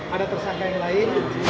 ada tersangka yang lain